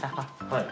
はい。